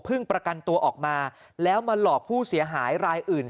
ประกันตัวออกมาแล้วมาหลอกผู้เสียหายรายอื่น